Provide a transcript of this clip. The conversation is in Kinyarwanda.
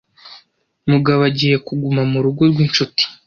Mugabo agiye kuguma murugo rwinshuti